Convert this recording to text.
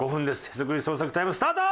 へそくり捜索タイムスタート！